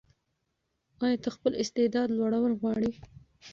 ایا ته خپل استعداد لوړول غواړې؟